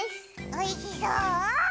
おいしそう！